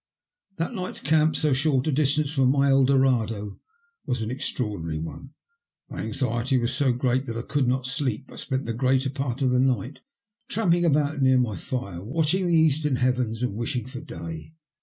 That night's camp, so short a distance from my Eldorado, was an extraordinary one. My anxiety was 80 great that I could not sleep, but spent the greater part of the night tramping about near my fire, watch ing the eastern heavens and wishing for day.